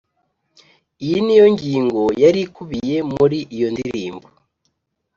iyi ni yo ngingo yari ikubiye muri iyo ndirimbo: